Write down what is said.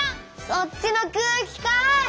そっちの空気かい！